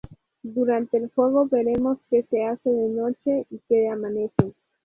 Durante el juego veremos que se hace de noche y que amanece.